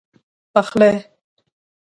پخلی